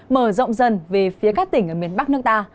mở rộng dần về phía các tỉnh ở miền bắc nước ta